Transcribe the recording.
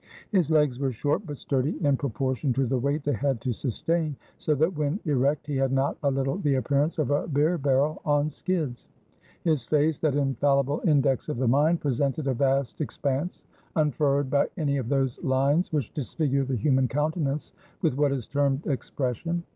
His legs were short but sturdy in proportion to the weight they had to sustain so that when erect he had not a little the appearance of a beer barrel on skids. His face, that infallible index of the mind, presented a vast expanse, unfurrowed by any of those lines which disfigure the human countenance with what is termed expression....